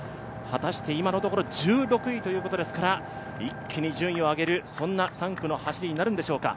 今のところ１６位ということですから一気に順位を上げる、そんな３区の走りになるんでしょうか。